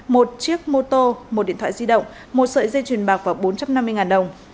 một chiếc mô tô một điện thoại di động một sợi dây chuyền bạc và bốn trăm năm mươi đồng